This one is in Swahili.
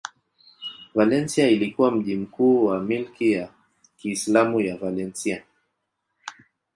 Valencia ilikuwa mji mkuu wa milki ya Kiislamu ya Valencia.